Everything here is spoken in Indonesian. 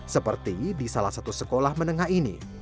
seperti di salah satu sekolah menengah ini